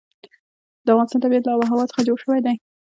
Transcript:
د افغانستان طبیعت له آب وهوا څخه جوړ شوی دی.